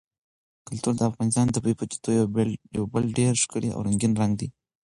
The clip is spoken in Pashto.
کلتور د افغانستان د طبیعي پدیدو یو بل ډېر ښکلی او رنګین رنګ دی.